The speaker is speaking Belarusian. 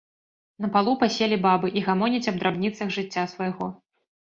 На палу паселі бабы і гамоняць аб драбніцах жыцця свайго.